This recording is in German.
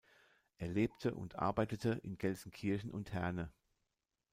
Er lebte und arbeitete in Gelsenkirchen und Herne.